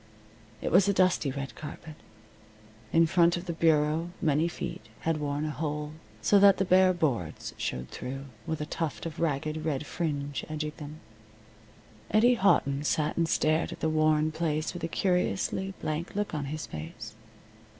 It was a dusty red carpet. In front of the bureau many feet had worn a hole, so that the bare boards showed through, with a tuft of ragged red fringe edging them. Eddie Houghton sat and stared at the worn place with a curiously blank look on his face.